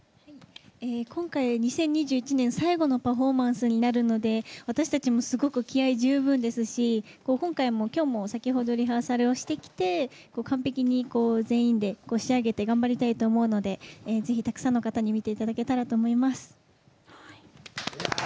今回は２０２１年最後のパフォーマンスになるので私たちもすごく気合い十分ですし先ほど、リハーサルしてきて完璧に全員で仕上げて頑張りたいと思うのでぜひたくさんの方に見ていただけたらと思います。